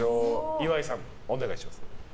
岩井さん、お願いします。